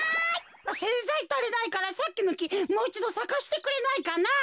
せんざいたりないからさっきのきもういちどさかせてくれないかな。